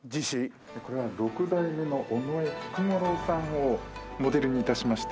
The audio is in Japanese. これは六代目の尾上菊五郎さんをモデルに致しまして。